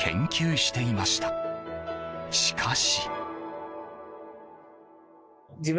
しかし。